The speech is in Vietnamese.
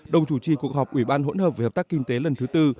đồng chủ trì cuộc họp ủy ban hỗn hợp về hợp tác kinh tế lần thứ tư